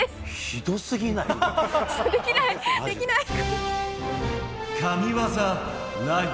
ひどすぎない？